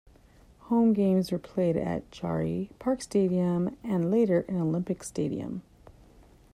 Home games were played at Jarry Park Stadium and later in Olympic Stadium.